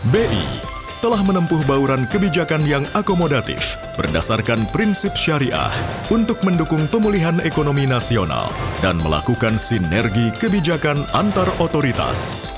bi telah menempuh bauran kebijakan yang akomodatif berdasarkan prinsip syariah untuk mendukung pemulihan ekonomi nasional dan melakukan sinergi kebijakan antar otoritas